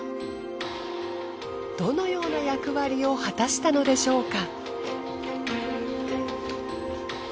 どのような役割を果たしたのでしょうか？